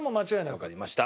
わかりました。